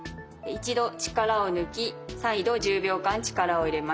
一度力を抜き再度１０秒間力を入れます。